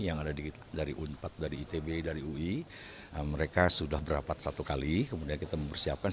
yang ada di kita dari unpad dari itb dari ui mereka sudah berapat satu kali kemudian kita mempersiapkan